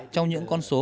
trong những con sản phẩm